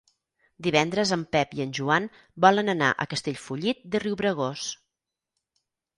Divendres en Pep i en Joan volen anar a Castellfollit de Riubregós.